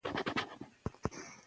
حساب واخلو د لستوڼي له مارانو